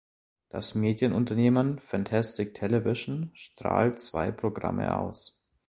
Das Medienunternehmen Fantastic Television strahlt zwei Programme aus.